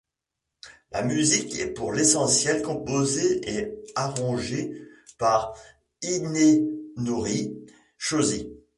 La musique est pour l'essentiel composée et arrangée par Hidenori Shoji.